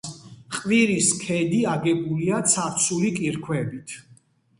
ყვირის ქედი აგებულია ცარცული კირქვებით.